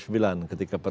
kehidupan yang lebih baik